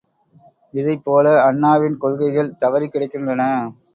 இதைப் போல அண்ணாவின் கொள்கைகள் தவறிக் கிடக்கின்றன.